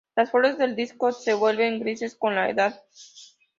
Las flores del disco se vuelven grises con la edad.